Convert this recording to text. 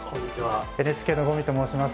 ＮＨＫの五味と申します。